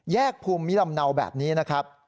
ภูมิลำเนาแบบนี้นะครับ